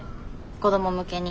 子ども向けに。